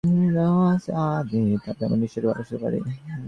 যেমন পিতা বা পুত্ররূপে আমরা মানুষকে ভালবাসি, তেমনি ঈশ্বরকে ভালবাসিতে পারি।